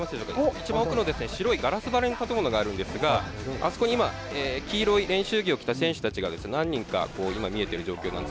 いちばん奥の白いガラス張りの建物があるんですが、あそこに今、黄色い練習着を着た選手たちが、何人か今、見えている状況なんです。